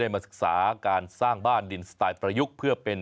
ตามแนวทางศาสตร์พระราชาของในหลวงราชการที่๙